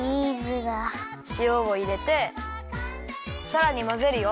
しおをいれてさらにまぜるよ。